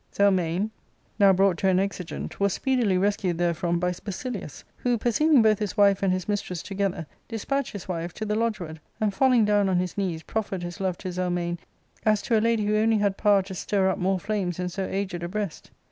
Zelmane, now brought to an exigent, was speedily res cued therefrom by Basilius, who, perceiving both his wife and his mistress together, despatched his wife to the lodge ward, and, falling down on his knees, proffered his love to Zelmane, as to a lady who only had power to stir up more flames in so aged a breast.